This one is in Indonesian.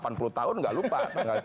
tidak lupa tanggal lahir